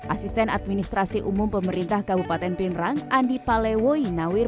asisten administrasi umum pemerintah kabupaten pinderang andi palewoyi nawir